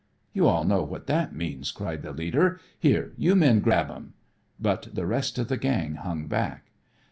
"You all know what that means," cried the leader. "Here you men grab 'em." But the rest of the gang hung back.